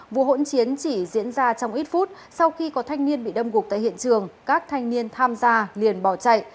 vụ hỗn chiến chỉ diễn ra trong ít phút sau khi có thanh niên bị đâm gục tại hiện trường các thanh niên tham gia liền bỏ chạy